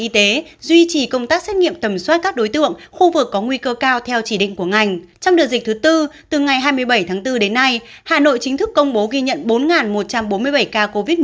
trong đợt dịch thứ bốn từ ngày hai mươi bảy tháng bốn đến nay hà nội chính thức công bố ghi nhận bốn một trăm bốn mươi bảy ca covid một mươi chín